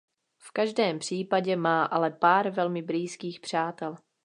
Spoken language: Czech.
V každém případě má ale pár velmi blízkých přátel.